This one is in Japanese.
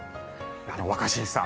若新さん。